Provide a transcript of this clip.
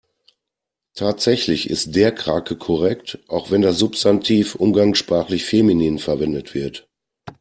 Tatsächlich ist der Krake korrekt, auch wenn das Substantiv umgangssprachlich feminin verwendet wird.